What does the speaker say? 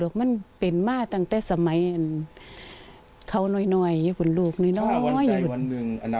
ลูกมันเป็นมาตั้งแต่สมัยเขาน่อยยะคุณลูกนึง่อน